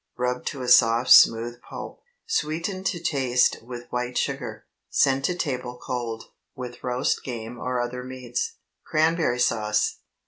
Rub to a soft smooth pulp, sweeten to taste with white sugar. Send to table cold, with roast game or other meats. CRANBERRY SAUCE.